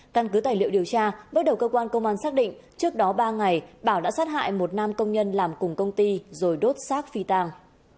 căn cứ tài liệu điều tra bước đầu cơ quan công an xác định trước đó ba ngày bảo đã sát hại một nam công nhân làm cùng công ty rồi đốt xác phi tàng